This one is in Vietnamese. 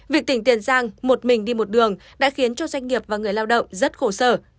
việc tỉnh tiền giang một mình đi một đường đã khiến cho doanh nghiệp và người lao động rất khổ sở